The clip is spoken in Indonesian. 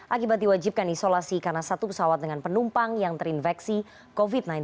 akibat diwajibkan isolasi karena satu pesawat dengan penumpang yang terinfeksi covid sembilan belas